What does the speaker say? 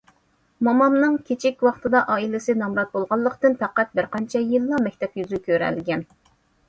مومامنىڭ كىچىك ۋاقتىدا ئائىلىسى نامرات بولغانلىقتىن پەقەت بىر قانچە يىللا مەكتەپ يۈزى كۆرەلىگەن.